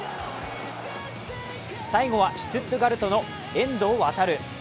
最後はシュツットガルトの遠藤航。